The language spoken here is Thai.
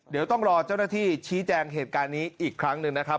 เดี๋ยวต้องรอเจ้าหน้าที่ชี้แจงเหตุการณ์นี้อีกครั้งหนึ่งนะครับ